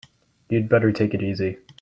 You'd better take it easy.